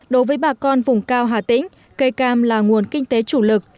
đối với bà con vùng cao hà tĩnh cây cam là nguồn kinh tế chủ lực